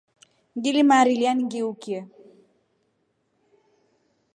Ngilimarya ngiukye.